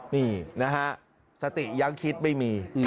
นี่นะฮะสติยังคิดไม่มี